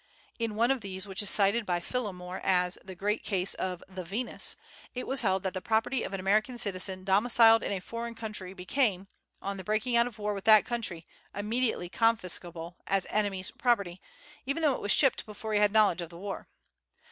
In one of these, which is cited by Phillimore as the "great case" of "The Venus," it was held that the property of an American citizen domiciled in a foreign country became, on the breaking out of war with that country, immediately confiscable as enemy's property, even though it was shipped before he had knowledge of the war.